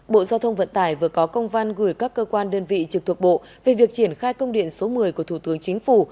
bộ giao thông vận tải vừa có công văn gửi các cơ quan đơn vị trực thuộc bộ về việc triển khai công điện số một mươi của thủ tướng chính phủ